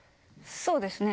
そうですね